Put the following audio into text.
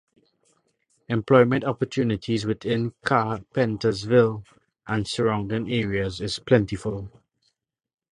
Employment opportunities within Carpentersville and surrounding areas is plentiful.